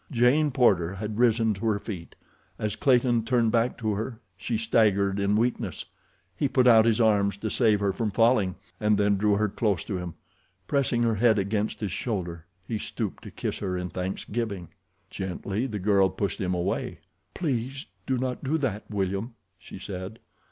Jane Porter had risen to her feet; as Clayton turned back to her she staggered in weakness. He put out his arms to save her from falling, and then drew her close to him—pressing her head against his shoulder, he stooped to kiss her in thanksgiving. Gently the girl pushed him away. "Please do not do that, William," she said.